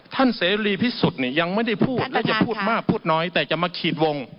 เสรีพิสุทธิ์เนี่ยยังไม่ได้พูดและจะพูดมากพูดน้อยแต่จะมาขีดวง